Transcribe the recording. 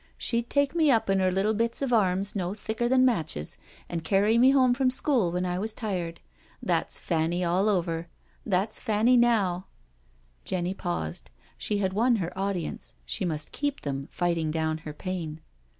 She'd take me up in her little bits of arms no thicker than matches, and carry me home from school when I was tired — ^that's Fanny all over— that's Fanny now " Jenny paused. She had won her audience; she must keep them, fighting down her pain.